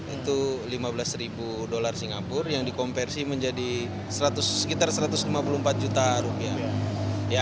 itu lima belas ribu dolar singapura yang dikonversi menjadi sekitar satu ratus lima puluh empat juta rupiah